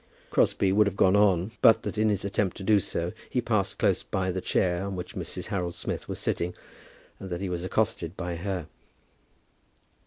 Crosbie would have gone on, but that in his attempt to do so he passed close by the chair on which Mrs. Harold Smith was sitting, and that he was accosted by her.